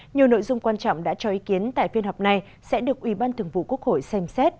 nhiều nội dung quan trọng đã cho ý kiến tại phiên họp này sẽ được ủy ban thường vụ quốc hội xem xét